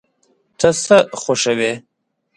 ته څه خوښوې؟